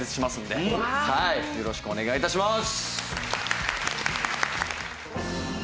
はいよろしくお願い致します！